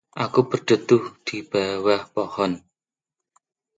aku berteduh di bawah pohon